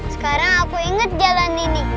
sekarang aku inget jalan ini